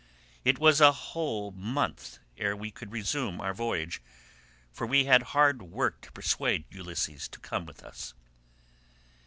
It was a whole month ere we could resume our voyage, for we had hard work to persuade Ulysses to come with us."